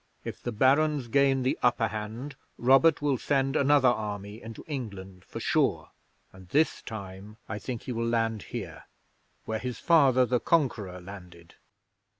If the Barons gain the upper hand Robert will send another army into England for sure, and this time I think he will land here where his father, the Conqueror, landed.